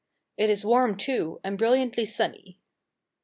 It is warm, too, and brilliantly sunny.